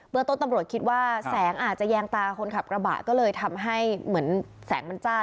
ต้นตำรวจคิดว่าแสงอาจจะแยงตาคนขับกระบะก็เลยทำให้เหมือนแสงมันจ้า